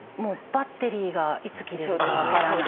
バッテリーがいつ切れるか分からない。